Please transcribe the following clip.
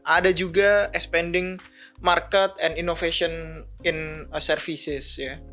ada juga expending market and innovation in services